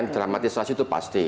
dramatisasi itu pasti